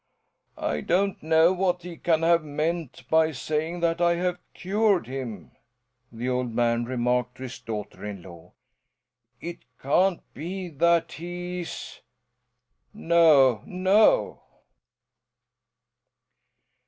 "I don't know what he can have meant by saying that I have cured him," the old man remarked to his daughter in law. "It can't be that he's ? No, no!"